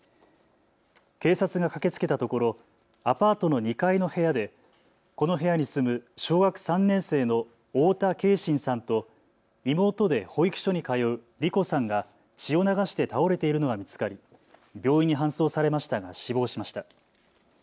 警察が駆けつけたところアパートの２階の部屋でこの部屋に住む小学３年生の太田継真さんと妹で保育所に通う梨心さんが血を流して倒れているのが見つかり病院に搬送されましたが死亡しました。